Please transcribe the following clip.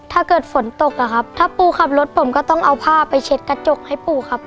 ถ้าเกิดฝนตกอะครับถ้าปูขับรถผมก็ต้องเอาผ้าไปเช็ดกระจกให้ปูครับ